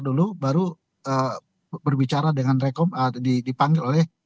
dulu baru berbicara dengan rekom dipanggil oleh